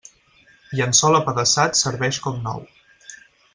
Llençol apedaçat serveix com nou.